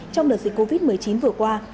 trong đợt dịch covid một mươi chín vừa qua